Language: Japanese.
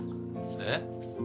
えっ？